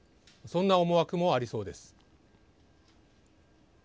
そんな思惑もありそうです。